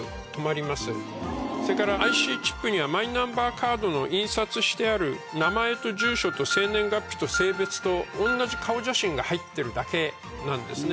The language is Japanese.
それからＩＣチップにはマイナンバーカードの印刷してある名前と住所と生年月日と性別と同じ顔写真が入ってるだけなんですね。